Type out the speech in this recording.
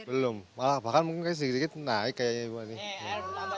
belum bahkan mungkin sedikit sedikit naik kayaknya